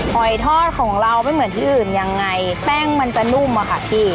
หอยทอดของเราไม่เหมือนที่อื่นยังไงแป้งมันจะนุ่มอะค่ะพี่